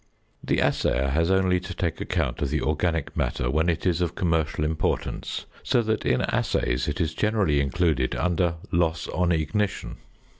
The assayer has only to take account of the organic matter when it is of commercial importance, so that in assays it is generally included under "loss on ignition."